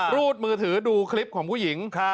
รูดมือถือดูคลิปของผู้หญิง